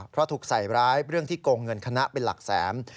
เพราะถูกใส่ร้ายเรื่องที่โกงเงินคณะเป็นหลักแสน